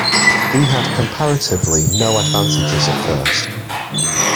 He had comparatively no advantages at first.